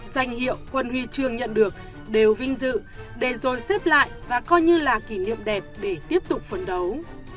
danh hiệu quân huy trường nhận được đều vinh dự để rồi xếp lại và coi như là kỷ niệm đẹp để tiếp tục phấn đấu